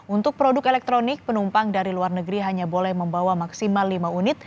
untuk produk elektronik penumpang dari luar negeri hanya boleh membawa maksimal lima unit